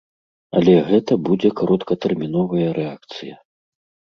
Але гэта будзе кароткатэрміновая рэакцыя.